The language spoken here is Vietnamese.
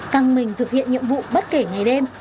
căng mình thực hiện nhiệm vụ bất kể ngày đêm